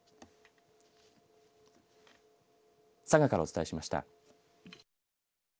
佐賀からお伝えしました。